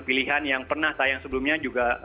pilihan yang pernah tayang sebelumnya juga